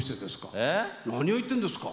えっ？何を言ってんですか？